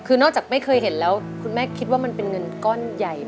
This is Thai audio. คือนอกจากไม่เคยเห็นแล้วคุณแม่คิดว่ามันเป็นเงินก้อนใหญ่